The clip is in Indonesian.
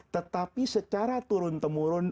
tetapi secara turun temurun